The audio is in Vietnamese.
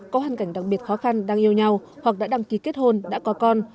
có hoàn cảnh đặc biệt khó khăn đang yêu nhau hoặc đã đăng ký kết hôn đã có con